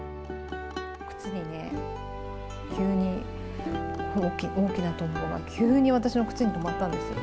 靴にね、急に大きなトンボが、急に私の靴に止まったんですよ。